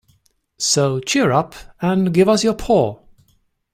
So cheer up, and give us your paw.